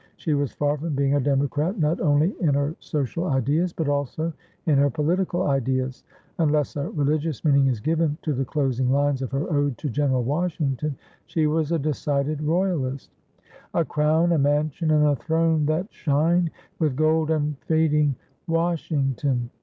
She was far from being a democrat not only in her social ideas but also in her political ideas; unless a religious meaning is given to the closing lines of her ode to General Washington, she was a decided royalist: "A crown, a mansion, and a throne that shine With gold unfading, Washington!